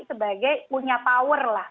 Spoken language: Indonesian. sebagai punya power lah